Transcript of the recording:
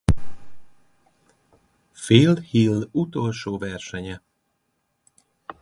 Phil Hill utolsó versenye.